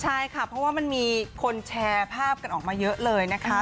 ใช่ค่ะเพราะว่ามันมีคนแชร์ภาพกันออกมาเยอะเลยนะคะ